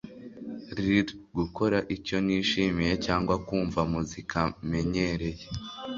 rr Gukora icyo nishimiye cyangwa kumva muzika menyereye